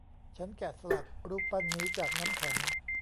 ฉันแกะสลักรูปปั้นนี้จากน้ำแข็ง